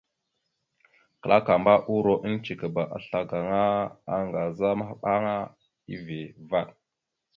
Klakamba uuro eŋgcekaba assla gaŋa, aaŋgaza maɓaŋa, eeve vvaɗ.